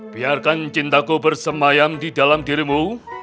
biarkan cintaku bersemayam di dalam dirimu